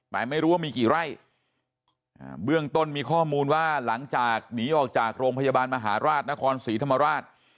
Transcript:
แต่ไม่รู้ว่ามีกี่ไร่เบื้องต้นมีข้อมูลว่าหลังจากหนีออกจากโรงพยาบาลมหาราชนครศรีธรรมราช